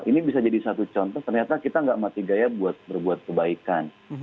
ini bisa jadi satu contoh ternyata kita tidak mati gaya buat berbuat kebaikan